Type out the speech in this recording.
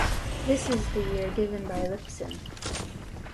This is the year given by Liptzin.